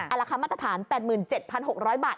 ราคามาตรฐาน๘๗๖๐๐บาท